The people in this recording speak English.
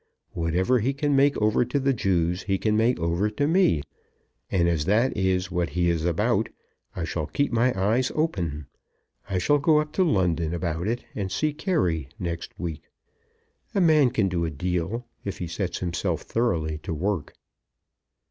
Whatever he can make over to the Jews he can make over to me; and as that is what he is about, I shall keep my eyes open. I shall go up to London about it and see Carey next week. A man can do a deal if he sets himself thoroughly to work."